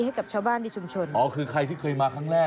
ให้กับชาวบ้านในชุมชนอ๋อคือใครที่เคยมาครั้งแรก